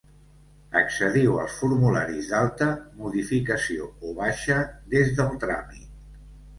Accediu als formularis d'alta, modificació o baixa des del tràmit.